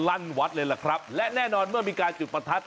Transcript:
ลั่นวัดเลยล่ะครับและแน่นอนเมื่อมีการจุดประทัด